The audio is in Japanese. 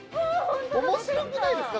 面白くないですか？